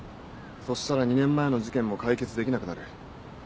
そしたら２年前の事件も解決できなくなる。